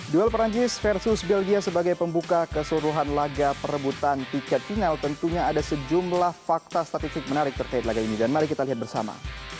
duel perancis versus belgia sebagai pembuka keseluruhan laga perebutan tiket final tentunya ada sejumlah fakta statistik menarik terkait laga ini dan mari kita lihat bersama